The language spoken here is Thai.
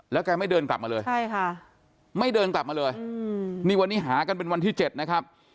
แกไม่เดินกลับมาเลยใช่ค่ะไม่เดินกลับมาเลยนี่วันนี้หากันเป็นวันที่๗นะครับ